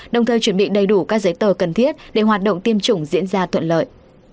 đồng thời chuẩn bị đầy đủ các giấy tờ cần thiết để hoạt động tiêm chủng diễn ra thuận lợi